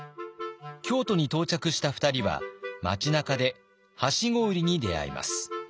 京都に到着した２人は町なかではしご売りに出会います。